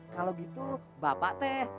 kalau gitu bapak teh